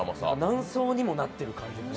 何層にもなってる感じです。